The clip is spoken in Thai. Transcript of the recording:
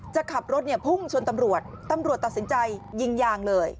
จะขับรถเนี่ยพุ่งชนตำรวจตำรวจตัดสินใจยิงยางเลย